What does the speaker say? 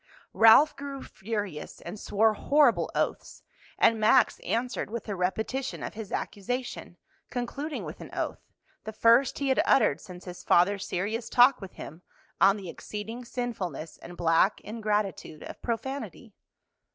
Ralph grew furious and swore horrible oaths, and Max answered with a repetition of his accusation, concluding with an oath, the first he had uttered since his father's serious talk with him on the exceeding sinfulness and black ingratitude of profanity.